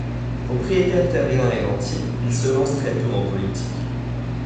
Propriétaire terrien et rentier, il se lance très tôt en politique.